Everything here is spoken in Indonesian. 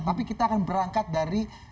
tapi kita akan berangkat dari